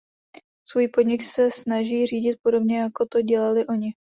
Svůj podnik se snaží řídit podobně jako to dělali oni.